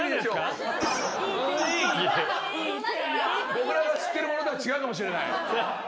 僕らが知ってるものとは違うかもしれない。